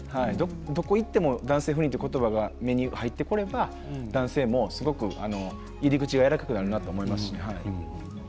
どこに行っても男性不妊という言葉が目に入ってくれば男性もすごく入り口がやわらかくなるなと思いました。